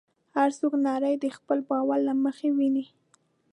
هر څوک نړۍ د خپل باور له مخې ویني.